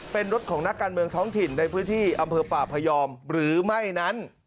เป็นรถของนักการเมืองท้องถิ่นในพื้นที่อำเภอป่าพยอมหรือไม่นั้น